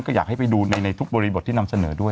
ก็อยากให้ไปดูในทุกบริบทที่นำเสนอด้วย